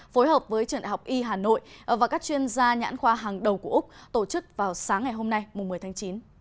phối hợp với trường đại học y hà nội và các chuyên gia nhãn khoa hàng đầu của úc tổ chức vào sáng ngày hôm nay một mươi tháng chín